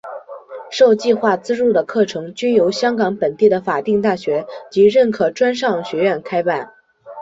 受计划资助的课程均由香港本地的法定大学及认可专上学院开办。